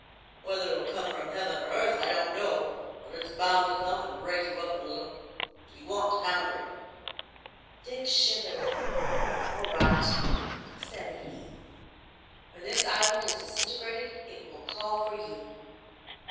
Whether it'll come from heaven or earth, I don't know, but it's bound to come and break you up a little. You want hammering." Dick shivered. "All right," said he. "When this island is disintegrated, it will call for you."